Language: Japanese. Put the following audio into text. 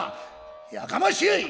「やかましい！